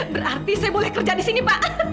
berarti saya boleh kerja di sini pak